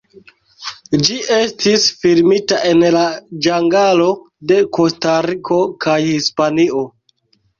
Ĝi estis filmita en la ĝangalo de Kostariko kaj Hispanio.